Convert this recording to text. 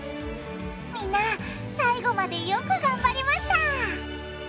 みんな最後までよくがんばりました！